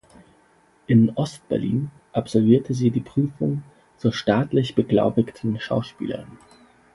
In Ost-Berlin absolvierte sie die Prüfung zur staatlich beglaubigten Schauspielerin.